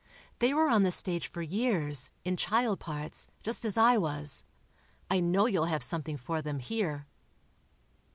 They were on the stage for years, in child parts, just as I was; I know you'll have something for them, here."